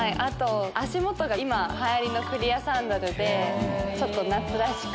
足元が今流行りのクリアサンダルで夏らしく。